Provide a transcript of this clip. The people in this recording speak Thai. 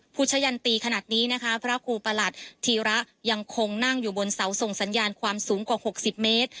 พระครูปรรถธีรัยังคงนั่งอยู่บนเสาส่งสัญญาณความสูงกว่า๖๐เมตร